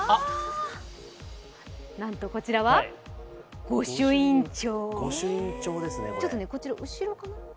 なんとこちらは御朱印帳。